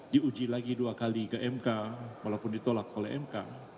diuji lagi dua kali ke mk walaupun ditolak oleh mk